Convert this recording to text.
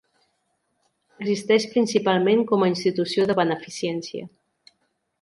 Existeix principalment com a institució de beneficència.